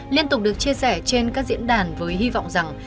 liên tục được chia sẻ trên các diễn đàn với hy vọng rằng